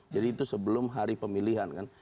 itu sebelum hari pemilihan kan